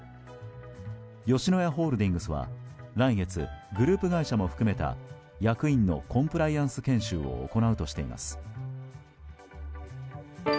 吉野家ホールディングスは来月グループ会社も含めた役員のコンプライアンス研修を行うとしています。